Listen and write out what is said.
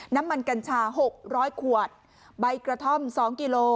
น้ำมันกัญชา๖๐๐ขวดใบกระท่อม๒กิโล